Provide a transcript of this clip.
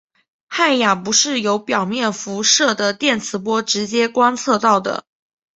氦闪不是由表面辐射的电磁波直接观测到的。